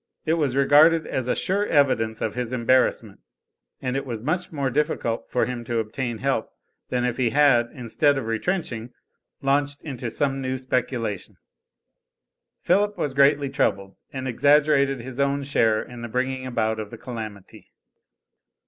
It was regarded as a sure evidence of his embarrassment, and it was much more difficult for him to obtain help than if he had, instead of retrenching, launched into some new speculation. Philip was greatly troubled, and exaggerated his own share in the bringing about of the calamity.